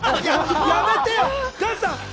やめてよ！